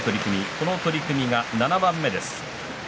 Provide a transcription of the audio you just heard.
この取組は７番目です。